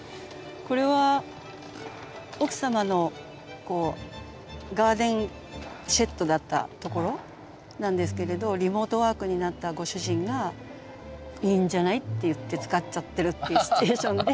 これは奥様のこうガーデンシェッドだったところなんですけれどリモートワークになったご主人が「いいんじゃない」っていって使っちゃってるっていうシチュエーションで。